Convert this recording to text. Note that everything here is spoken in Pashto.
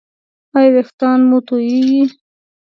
ایا ویښتان مو توییږي؟